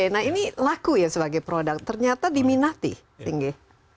nah ini laku ya sebagai produk ternyata diminati tinggi